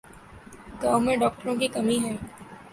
گاؤں میں ڈاکٹروں کی کمی ہے